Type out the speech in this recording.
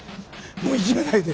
もういじめないで。